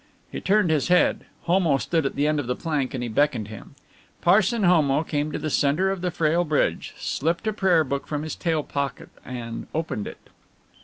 He turned his head. Homo stood at the end of the plank and he beckoned him. Parson Homo came to the centre of the frail bridge, slipped a Prayer Book from his tail pocket and opened it.